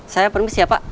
saya permisi ya pak